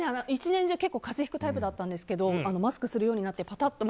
１年中風邪ひくタイプだったんですけどマスクするようになってパタッと。